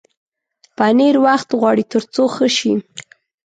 پنېر وخت غواړي تر څو ښه شي.